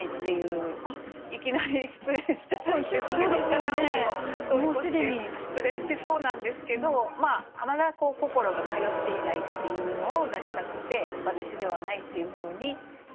片思いを通り越して失恋しそうなんですけどまだ心が通っていないっていうのを出したくて「私ではない」っていうふうに入れました。